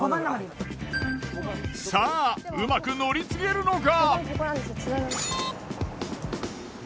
さぁうまく乗り継げるのか？